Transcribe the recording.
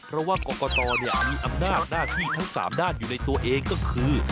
เพราะว่ากรกตมีอำนาจหน้าที่ทั้ง๓ด้านอยู่ในตัวเองก็คือ